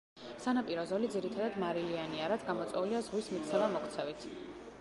სანაპირო ზოლი ძირითადად მარილიანია, რაც გამოწვეულია ზღვის მიქცევა–მოქცევით.